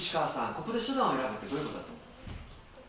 ここで「手段を選ぶ」ってどういうことだと思う？